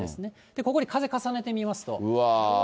ここに風、重ねてみますと。